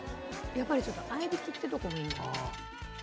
やっぱりちょっと合い挽きってとこがいいのかな。